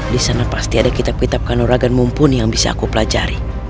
disana pasti ada kitab kitab kanuragan mumpuni yang bisa aku pelajari